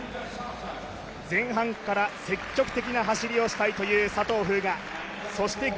前半から積極的な走りをしたいという佐藤風雅。